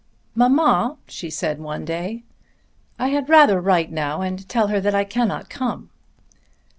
"Mamma," she said one day, "I had rather write now and tell her that I cannot come."